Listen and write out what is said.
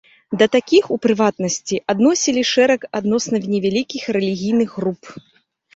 Да такіх, у прыватнасці адносілі шэраг адносна невялікіх рэлігійных груп.